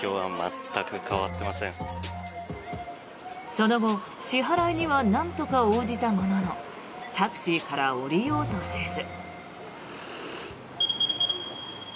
その後、支払いにはなんとか応じたもののタクシーから降りようとせず。